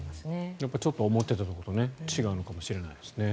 やっぱりちょっと思っていたのと違うのかもしれないですね。